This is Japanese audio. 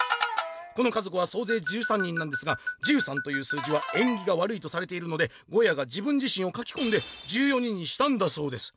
この家族はそうぜい１３人なんですが１３という数字は縁起が悪いとされているのでゴヤが自分自しんを描きこんで１４人にしたんだそうです」。